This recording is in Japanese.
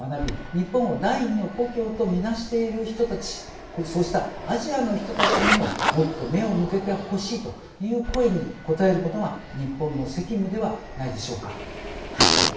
日本を第２の故郷とみなしている人たちそうしたアジアの人たちにももっと目を向けてほしいという声に応えることが日本の責務ではないでしょうか。